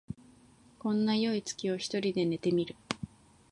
こんなよい月を一人で見て寝る